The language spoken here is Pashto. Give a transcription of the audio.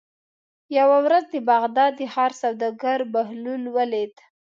یوه ورځ د بغداد د ښار سوداګر بهلول ولید.